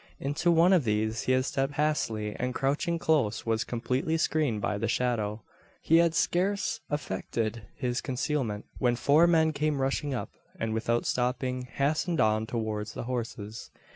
Into one of these he stepped hastily; and, crouching close, was completely screened by the shadow. He had scarce effected his concealment, when four men came rushing up; and, without stopping, hastened on towards the horses.